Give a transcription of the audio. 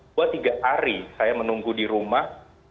dua tiga hari saya menunggu di rumah